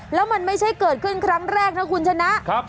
แล้วมันไม่ใช่เกิดขึ้นครั้งแรกนะคุณชนะ